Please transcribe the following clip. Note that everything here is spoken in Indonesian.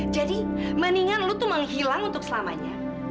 jadi mendingan lo tuh menghilang untuk selamanya